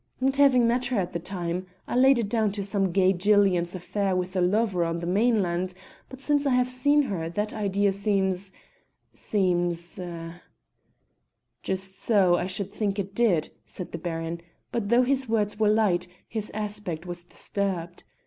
"Not having met her at the time, I laid it down to some gay gillian's affair with a lover on the mainland, but since I have seen her that idea seem seems " "Just so, I should think it did," said the Baron: but though his words were light, his aspect was disturbed.